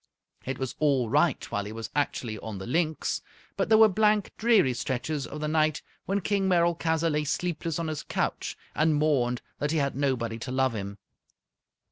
It was all right while he was actually on the Linx, but there were blank, dreary stretches of the night when King Merolchazzar lay sleepless on his couch and mourned that he had nobody to love him.